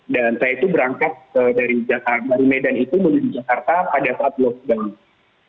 dan saya itu berangkat dari medan itu menuju jakarta pada saat lockdown